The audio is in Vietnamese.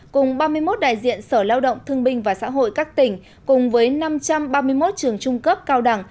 cùng ba mươi một đại diện sở lao động thương binh và xã hội các tỉnh cùng với năm trăm ba mươi một trường trung cấp cao đẳng